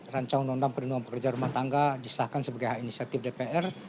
rancang undang undang perlindungan pekerja rumah tangga disahkan sebagai inisiatif dpr